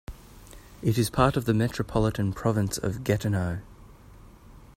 It is part of the Metropolitan Province of Gatineau.